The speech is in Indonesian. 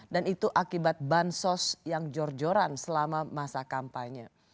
dan itu akibat bansos yang jorjoran selama masa kampanye